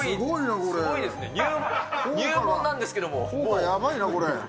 これやばいな、これ。